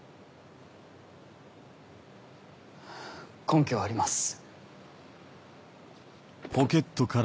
根拠はあります。